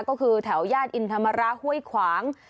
ก็คือแถวย่านอินธรรมระห้วยขวาง